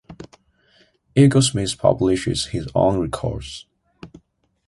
Eaglesmith publishes his own records.